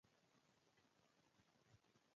خوله دې پټّ شه!